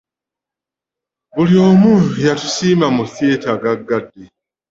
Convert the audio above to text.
Buli omu yatusiima mu 'Theater' gaggadde.